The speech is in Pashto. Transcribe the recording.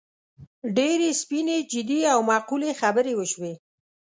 ډېرې سپینې، جدي او معقولې خبرې وشوې.